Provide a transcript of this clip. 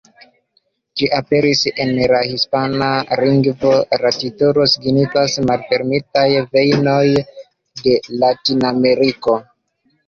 Ĝi aperis en la hispana lingvo, la titolo signifas: "Malfermitaj vejnoj de Latin-Ameriko".